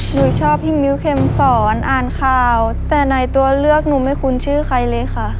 หนูชอบพี่มิ้วเข็มสอนอ่านข่าวแต่ในตัวเลือกหนูไม่คุ้นชื่อใครเลยค่ะ